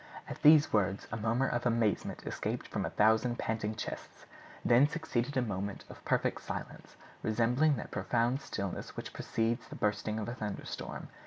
At these words a murmur of amazement escaped from a thousand panting chests; then succeeded a moment of perfect silence, resembling that profound stillness which precedes the bursting of a thunderstorm.